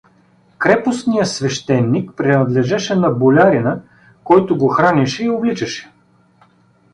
Крепостният свещеник принадлежеше на болярина, които го хранеше и обличаше.